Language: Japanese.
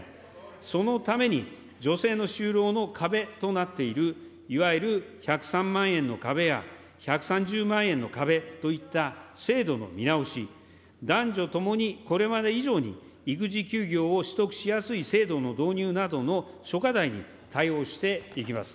そのために、女性の就労の壁となっているいわゆる１０３万円の壁や１３０万円の壁といった制度の見直し、男女ともに、これまで以上に育児休業を取得しやすい制度の導入などの諸課題に対応していきます。